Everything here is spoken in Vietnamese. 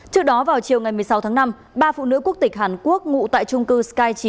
trước đó vào chiều ngày một mươi sáu tháng năm ba phụ nữ quốc tịch hàn quốc ngụ tại trung cư sky chín